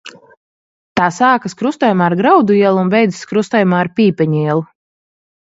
Tā sākas krustojumā ar Graudu ielu un beidzas krustojumā ar Pīpeņu ielu.